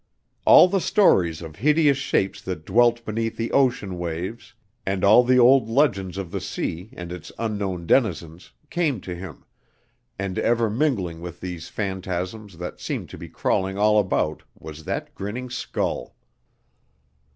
All the stories of hideous shapes that dwelt beneath the ocean waves, and all the old legends of the sea and its unknown denizens, came to him, and ever mingling with these phantasms that seemed to be crawling all about was that grinning skull.